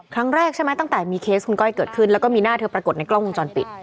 ครั้งแรกใช่ไหมตั้งแต่มีเคสคุณก้อยเกิดขึ้นแล้วก็มีหน้าเธอปรากฏในกล้องวงจรปิด